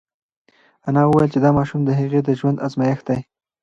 انا وویل چې دا ماشوم د هغې د ژوند ازمېښت دی.